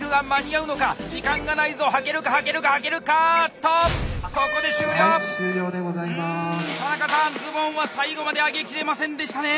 うん田中さんズボンは最後まで上げきれませんでしたね。